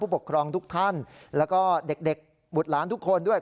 ปกครองทุกท่านแล้วก็เด็กบุตรหลานทุกคนด้วย